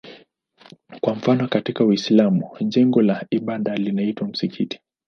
Kwa mfano katika Uislamu jengo la ibada linaitwa msikiti.